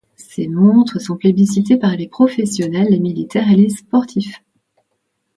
Ces montres sont plébiscitées par les professionnels, les militaires et les sportifs.